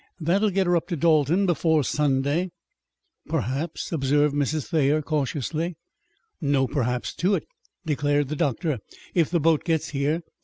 That'll get her up to Dalton before Sunday." "Perhaps," observed Mrs. Thayer cautiously. "No 'perhaps' to it," declared the doctor, "if the boat gets here.